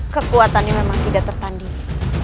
kekuatannya memang tidak tertanding